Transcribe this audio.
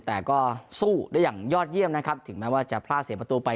แต่ก็สู้ได้อย่างยอดเยี่ยมนะครับถึงแม้ว่าจะพลาดเสียประตูไป